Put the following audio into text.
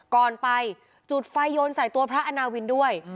ก่อนไปจุดไฟโยนใส่ตัวพระอาณาวินด้วย